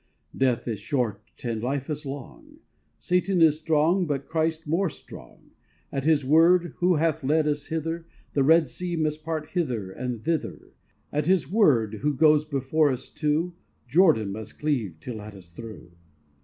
Death is short and life is long; Satan is strong, but Christ more strong. At His Word, Who hath led us hither, The Red Sea must part hither and thither. At His Word, Who goes before us too, Jordan must cleave to let us through.